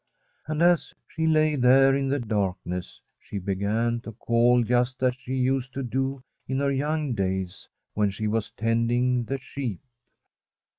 And as she lay there in the darkness she began to call just as she used to do in her young (kiys when she was tending the sheep.